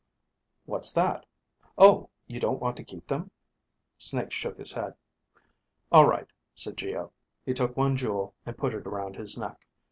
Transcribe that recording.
"What's that? Oh, you don't want to keep them?" Snake shook his head. "All right," said Geo. He took one jewel and put it around his neck.